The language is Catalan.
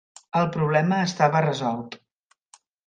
El problema estava resolt.